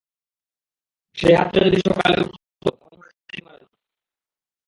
সেই হাতটা যদি সকালে উঠত, তাহলে আমরা সহজেই মারা যেতাম।